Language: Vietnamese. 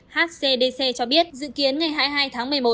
hcdc cho biết dự kiến ngày hai mươi hai tháng một mươi một